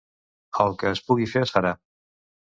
El que es pugui fer es farà.